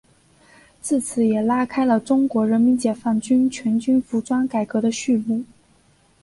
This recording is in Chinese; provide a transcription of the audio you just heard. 自此也拉开了中国人民解放军全军服装改革的序幕。